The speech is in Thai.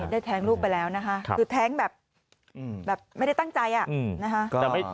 ได้แทงลูกไปแล้วคือแทงแบบไม่ได้ตั้งใจ